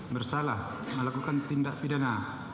bersalah melakukan tindak pidana